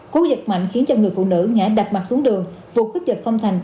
cú giật mạnh khiến cho người phụ nữ ngã đập mặt xuống đường vụ khức giật không thành